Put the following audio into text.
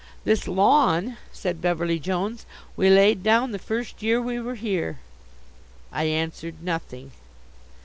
"This lawn," said Beverly Jones, "we laid down the first year we were here." I answered nothing.